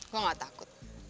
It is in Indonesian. kok gak takut